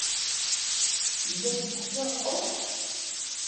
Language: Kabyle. Yella yettqeṣṣiṛ Tom?